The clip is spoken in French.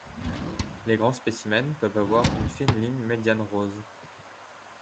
Les grand spécimens peuvent avoir une fine ligne médiane rose.